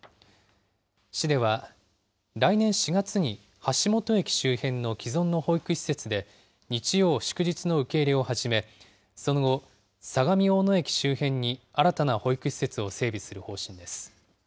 市では来年４月に橋本駅周辺の既存の保育施設で日曜、祝日の受け入れを始め、その後、相模大野駅周辺に新たな保育施設を整備する方針です。